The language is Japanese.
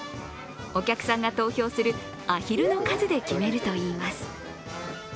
お客さんが投票するアヒルの数で決めるといいます。